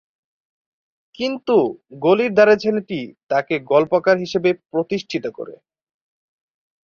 কিন্তু "গলির ধারের ছেলেটি" তাকে গল্পকার হিসেবে প্রতিষ্ঠিত করে।